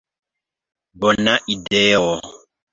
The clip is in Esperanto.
Bona ideo.